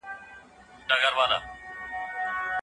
ټولګي تمرین څنګه د ستونزو حل زده کوي؟